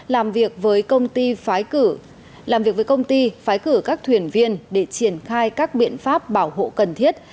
làm việc với công ty phái cử các thuyền viên để triển khai các biện pháp bảo hộ cần thiết